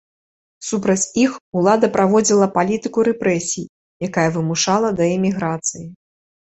Супраць іх улада праводзіла палітыку рэпрэсій, якая вымушала да эміграцыі.